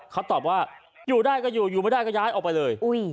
เขาตอบว่าอยู่ได้ก็อยู่อยู่ไม่ได้ก็ย้ายออกไปเลย